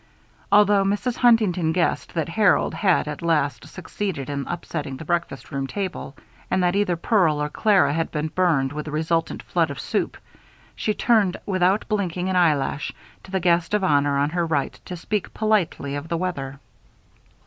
Although Mrs. Huntington guessed that Harold had at last succeeded in upsetting the breakfast room table; and that either Pearl or Clara had been burned with the resultant flood of soup, she turned, without blinking an eyelash, to the guest of honor on her right to speak politely of the weather.